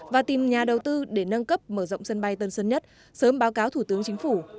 và tìm nhà đầu tư để nâng cấp mở rộng sân bay tân sơn nhất sớm báo cáo thủ tướng chính phủ